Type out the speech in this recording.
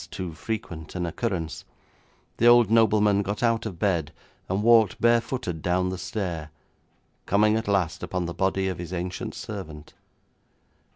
too frequent an occurrence the old nobleman got out of bed, and walked barefooted down the stair, coming at last upon the body of his ancient servant.